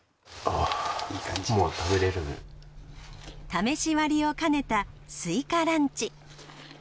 試し割りを兼ねたスイカランチ。